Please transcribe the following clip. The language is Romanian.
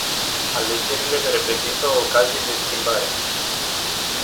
Alegerile reprezintă o ocazie de schimbare.